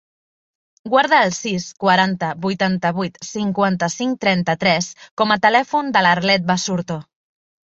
Guarda el sis, quaranta, vuitanta-vuit, cinquanta-cinc, trenta-tres com a telèfon de l'Arlet Basurto.